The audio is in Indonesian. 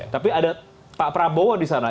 tapi ada pak prabowo di sana